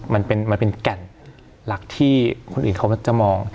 มันเป็นแก่นหลักที่คนอื่นเขามักจะมอง